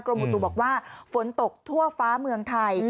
อุตุบอกว่าฝนตกทั่วฟ้าเมืองไทย